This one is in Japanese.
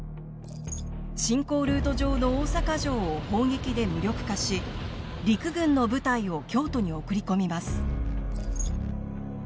侵攻ルート上の大坂城を砲撃で無力化し陸軍の部隊を京都に送り込みます。